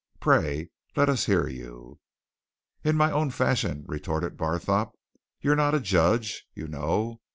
"Pray let us hear you." "In my own fashion," retorted Barthorpe. "You're not a judge, you know.